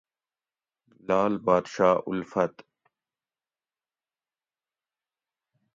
لعل بادشاہ الفت